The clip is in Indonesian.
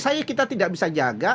saja kita tidak bisa jaga